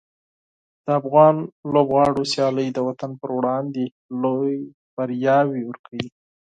د افغان لوبغاړو سیالۍ د وطن پر وړاندې لویې بریاوې ورکوي.